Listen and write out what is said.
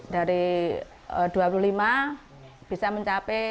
dari dua puluh lima bisa mencapai empat puluh